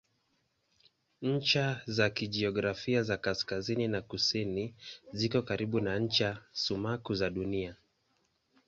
Ncha za kijiografia za kaskazini na kusini ziko karibu na ncha sumaku za Dunia.